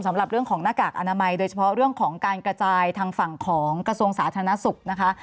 สำหรับเรื่องของหน้ากากอนามัยโดยเฉพาะเรื่องของการกระจายทางฝั่งของกระทรวงสาธารณสุขนะคะ